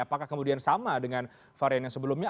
apakah kemudian sama dengan varian yang sebelumnya